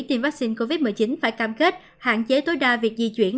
tiêm vaccine covid một mươi chín phải cam kết hạn chế tối đa việc di chuyển